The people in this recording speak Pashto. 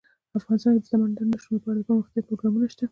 افغانستان کې د سمندر نه شتون لپاره دپرمختیا پروګرامونه شته.